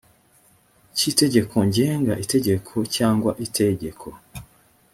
cy itegeko ngenga itegeko cyangwa itegeko